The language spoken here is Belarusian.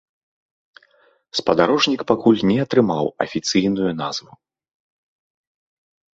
Спадарожнік пакуль не атрымаў афіцыйную назву.